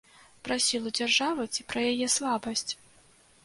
Пра сілу дзяржавы ці пра яе слабасць?